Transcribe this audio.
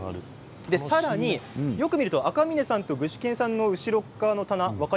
よく見ると赤嶺さんと具志堅さんの後ろ側の棚